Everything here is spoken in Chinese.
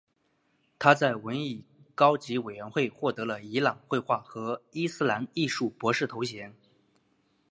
他在文艺高级委员会获得了伊朗绘画和伊斯兰艺术博士头衔。